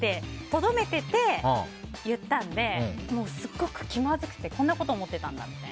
とどめていて送っちゃったのですごく気まずくてこんなこと思ってたんだって。